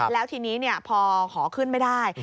แล้วทีนี้พอขอขึ้นไม่ได้